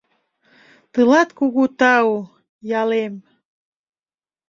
Тылат кугу тау, ялем!